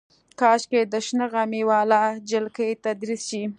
کاشکې د شنه غمي واله جلکۍ تدریس شي.